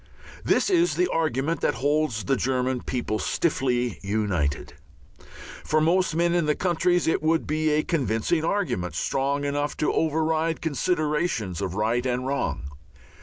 This is the argument that holds the German people stiffly united. For most men in most countries it would be a convincing argument, strong enough to override considerations of right and wrong.